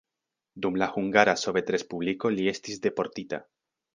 Dum la Hungara Sovetrespubliko li estis deportita.